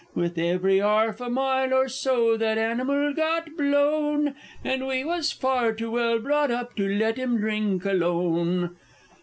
With every 'arf a mile or so, that animal got blown: And we was far too well brought up to let 'im drink alone!